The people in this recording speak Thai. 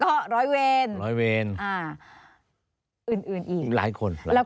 เพราะว่าตอนแรกมีการพูดถึงนิติกรคือฝ่ายกฎหมาย